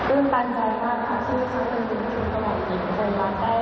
อืมตันใจมากค่ะที่รู้สึกเป็นจุดเวลากิน